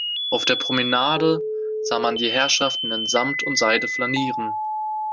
Auf der Promenade sah man die Herrschaften in Samt und Seide flanieren.